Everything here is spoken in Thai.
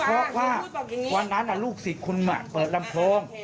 เพราะว่าวันนั้นลูกศิษย์คุณเปิดลำโพง